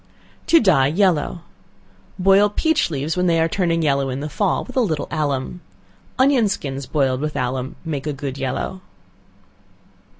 To Dye Yellow. Boil peach leaves when they are turning yellow in the fall, with a little alum. Onion skins boiled with alum make a good yellow.